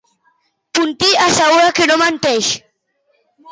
Puntí assegura que no menteix?